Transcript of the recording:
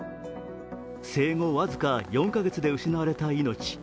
生後僅か４カ月で失われた命。